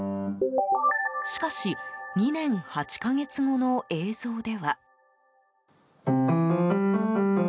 しかし、２年８か月後の映像では。